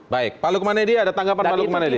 baik pak lukman edi ada tanggapan pak lukman edi